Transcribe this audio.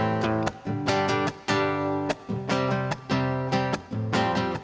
untuk jahit hatiku lagi